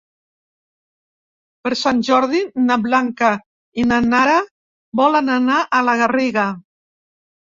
Per Sant Jordi na Blanca i na Nara volen anar a la Garriga.